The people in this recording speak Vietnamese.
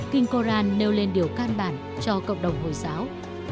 kinh coran nêu lên điều can bản cho cộng đồng hồi giáo